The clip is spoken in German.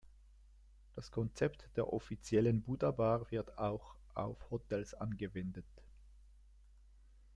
Das Konzept der offiziellen Buddha-Bar wird auch auf Hotels angewendet.